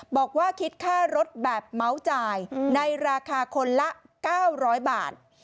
บอกว่าคิดค่ารถแบบเมาส์จ่ายในราคาคนละ๙๐๐บาท